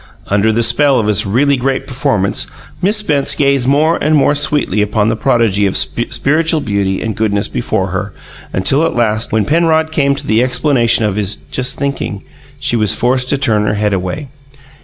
Under the spell of his really great performance, Miss Spence gazed more and more sweetly upon the prodigy of spiritual beauty and goodness before her, until at last, when Penrod came to the explanation of his "just thinking," she was forced to turn her head away.